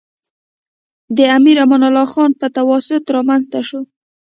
د امیر امان الله خان په تواسط رامنځته شو.